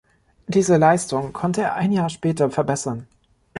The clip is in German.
Diese Leistung konnte er ein Jahr später verbessern.